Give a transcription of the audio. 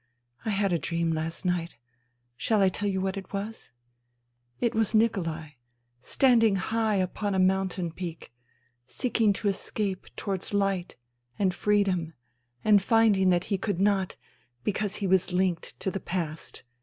I had a dream last night. Shall I tell you what it was ? It was THE THREE SISTERS 59 Nikolai standing high upon a mountain peak, seeking to escape towards Hght and freedom and finding that he could not, because he was linked to the past.